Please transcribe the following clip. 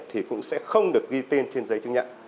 thì cũng sẽ không được ghi tên trên giấy chứng nhận